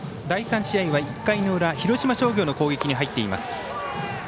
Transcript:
第３試合は１回の裏広島商業の攻撃に入っています。